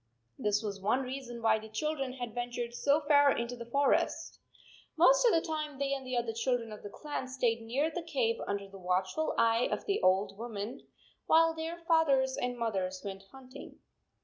This was one reason why the children had ven tured so far into the forest. Most of the time they and the other children of the clan stayed near the cave under the watchful eye of the old woman, while their fathers and mothers went hunting.